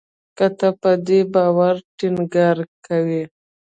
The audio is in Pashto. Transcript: که ته په دې باور ټینګار کوې